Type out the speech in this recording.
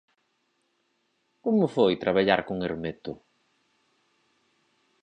Como foi traballar con Hermeto?